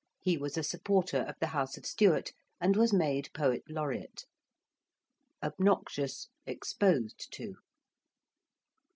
He was a supporter of the house of Stuart, and was made poet laureate. ~obnoxious~: exposed to.